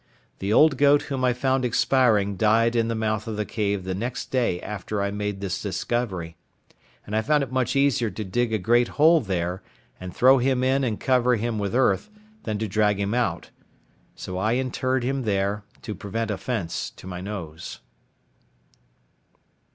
The old goat whom I found expiring died in the mouth of the cave the next day after I made this discovery; and I found it much easier to dig a great hole there, and throw him in and cover him with earth, than to drag him out; so I interred him there, to prevent offence to my nose.